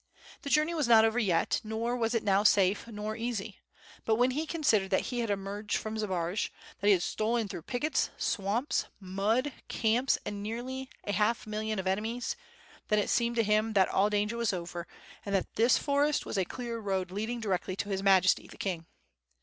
The journey was not over yet, nor was it now safe nor ea^y. But when he considered that he had emerged from Zbaraj, that he had stolen through pickets, swamps, mud, camps, and nearly a half million of enemies — ^then it seemed to him that all danger was over and that this forest was a clear road lead ing directly to His Majesty the king.